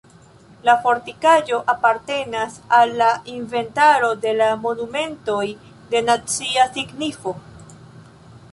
La fortikaĵo apartenas al la inventaro de la monumentoj de nacia signifo.